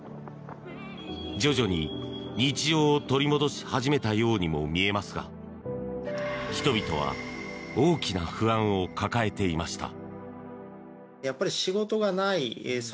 徐々に日常を取り戻し始めたようにも見えますが人々は大きな不安を抱えていました。